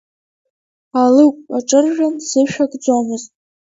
Алыкә аҿыржәан, сышә акӡомызт…